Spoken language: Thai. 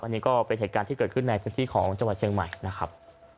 อันนี้ก็เป็นเหตุการณ์ที่เกิดขึ้นในพื้นที่ของจังหวัดเชียงใหม่นะครับ